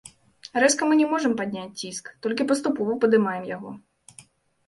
Рэзка мы не можам падняць ціск, толькі паступова падымаем яго.